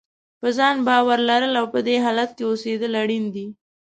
په ځان باور لرل او په دې حالت کې اوسېدل اړین دي.